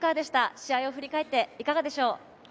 試合を振り返っていかがでしょう？